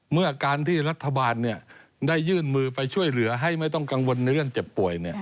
เมื่อการที่รัฐบาลได้ยื่นมือไปช่วยเหลือให้ไม่ต้องกังวลในเรื่องเจ็บป่วย